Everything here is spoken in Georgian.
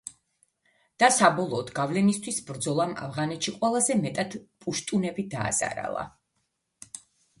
და საბოლოოდ, გავლენისთვის ბრძოლამ ავღანეთში ყველაზე მეტად პუშტუნები დააზარალა.